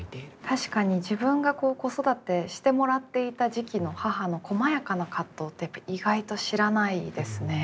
確かに自分が子育てしてもらっていた時期の母のこまやかな葛藤って意外と知らないですね。